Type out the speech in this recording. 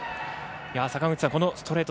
坂口さん、このストレート